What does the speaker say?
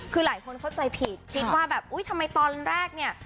คือหลายคนเข้าใจผิดคิดว่าแบบอุ๊ยทำไมตอนแรกเนี่ย